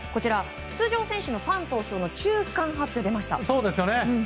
出場選手のファン投票の中間発表が出ました。